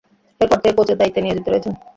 এরপর থেকে কোচের দায়িত্বে নিয়োজিত রয়েছেন।